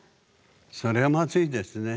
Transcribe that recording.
それはまずいですね。